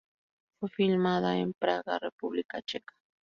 Fue filmada en Praga, República Checa.